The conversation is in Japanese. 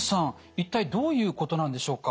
一体どういうことなんでしょうか？